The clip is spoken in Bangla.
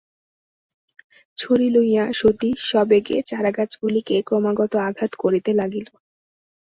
ছড়ি লইয়া সতীশ সবেগে চারাগাছগুলিকে ক্রমাগত আঘাত করিতে লাগিল।